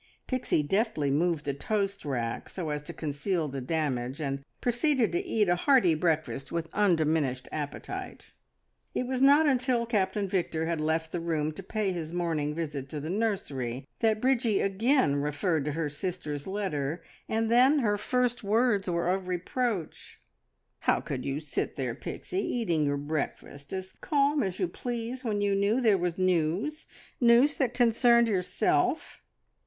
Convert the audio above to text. Pixie deftly moved the toast rack so as to conceal the damage, and proceeded to eat a hearty breakfast with undiminished appetite. It was not until Captain Victor had left the room to pay his morning visit to the nursery, that Bridgie again referred to her sister's letter, and then her first words were of reproach. "How you could sit there, Pixie, eating your breakfast, as calm as you please, when you knew there was news news that concerned yourself!"